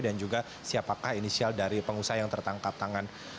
dan juga siapakah inisial dari pengusaha yang tertangkap tangan